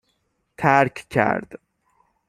ترک کرد